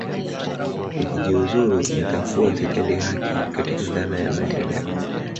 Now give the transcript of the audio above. Nikijiuzulu nitakuwa sitendi haki katika dhana ya maendeleo